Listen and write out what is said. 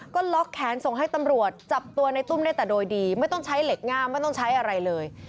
ก็ล็อกแขนส่งให้ตำรวจจับตัวในตุ้มได้แต่โดยดีไม่ต้องใช้เหล็กงามไม่ต้องใช้อะไรเลย